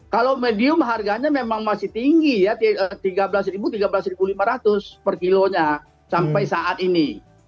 kalau medium harganya memang masih tinggi ya rp tiga belas rp tiga belas lima ratus per kilonya sampai saat ini